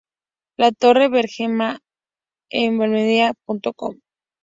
La Torre Bermeja en Benalmadena.com